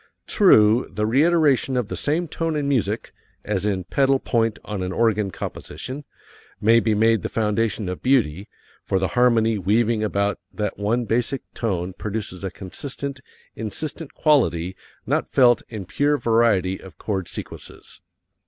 True, the reiteration of the same tone in music as in pedal point on an organ composition may be made the foundation of beauty, for the harmony weaving about that one basic tone produces a consistent, insistent quality not felt in pure variety of chord sequences.